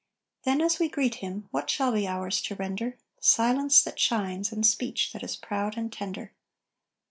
Then, as we greet him, what shall be ours to render? Silence that shines, and speech that is proud and tender!